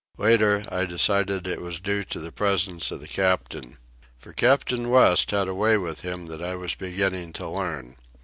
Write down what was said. Later, I decided it was due to the presence of the captain. For Captain West had a way with him that I was beginning to learn.